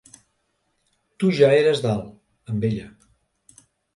Tu ja eres dalt, amb ella.